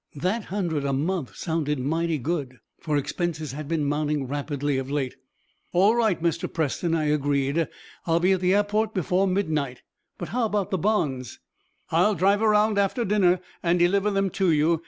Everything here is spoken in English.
That hundred a month sounded mighty good, for expenses had been mounting rapidly of late. "All right, Mr. Preston," I agreed. "I will be at the airport before midnight. But how about the bonds?" "I'll drive around after dinner and deliver them to you.